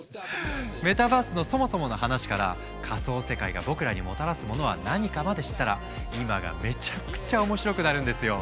メタバースのそもそもの話から仮想世界が僕らにもたらすものは何かまで知ったら今がめちゃくちゃ面白くなるんですよ！